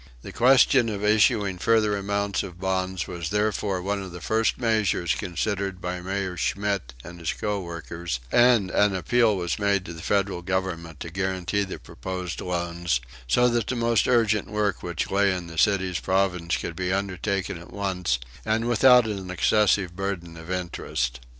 The question of issuing further amounts of bonds was therefore one of the first measures considered by Mayor Schmitz and his co workers, and an appeal was made to the Federal Government to guarantee the proposed loans, so that the most urgent work which lay in the city's province could be undertaken at once and without an excessive burden of interest.